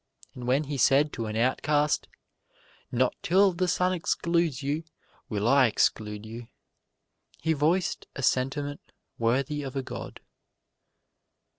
And when he said to an outcast, "Not till the sun excludes you will I exclude you," he voiced a sentiment worthy of a god.